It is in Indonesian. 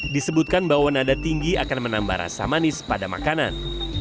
disebutkan bahwa nada tinggi akan menambah rasa manis pada makanan